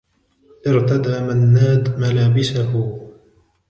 ارتدى منّاد ملابسه.